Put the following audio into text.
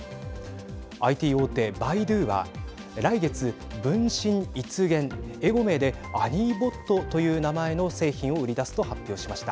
ＩＴ大手、百度は来月、文心一言英語名でアーニーボットという名前の製品を売り出すと発表しました。